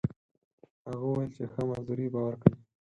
هغه وویل چې ښه مزدوري به ورکړي.